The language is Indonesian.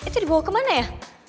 itu dibawa kemana ya